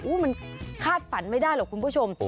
มันคาดฝันไม่ได้หรอกคุณผู้ชม